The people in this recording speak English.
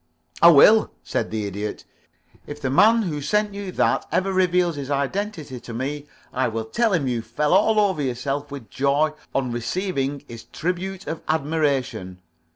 "I will," said the Idiot. "If the man who sent you that ever reveals his identity to me I will tell him you fell all over yourself with joy on receiving his tribute of admiration.